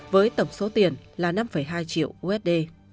với tổng số tiền là năm hai triệu usd